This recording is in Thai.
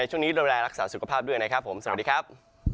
ช่วงนี้ดูแลรักษาสุขภาพด้วยนะครับผมสวัสดีครับ